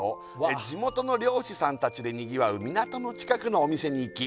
「地元の漁師さんたちでにぎわう港の近くのお店に行き」